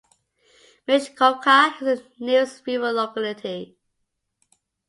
Mishkovka is the nearest rural locality.